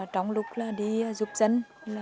trong lúc đi giúp dân